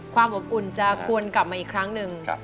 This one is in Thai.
ความอบอุ่นจะกวนกลับมาอีกครั้งหนึ่ง